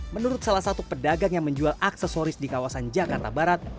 menurut salah satu pedagang yang menjual aksesoris di kawasan jakarta barat